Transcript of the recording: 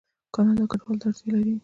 کاناډا کډوالو ته اړتیا لري.